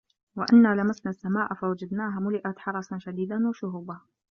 وَأَنّا لَمَسنَا السَّماءَ فَوَجَدناها مُلِئَت حَرَسًا شَديدًا وَشُهُبًا